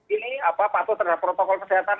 ini apa apa terhadap protokol kesehatan